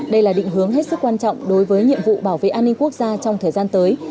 đây là định hướng hết sức quan trọng đối với nhiệm vụ bảo vệ an ninh quốc gia trong thời gian tới